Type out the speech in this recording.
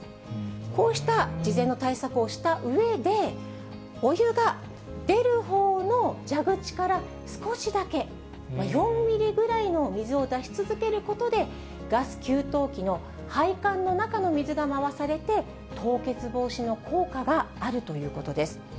こうした事前の対策をしたうえで、お湯が出るほうの蛇口から少しだけ、４ミリぐらいの水を出し続けることで、ガス給湯器の配管の中の水が回されて、凍結防止の効果があるということです。